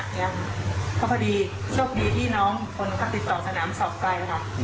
เพราะพอดีโชคดีที่น้องคนเขาติดต่อสนามสอบไกลค่ะ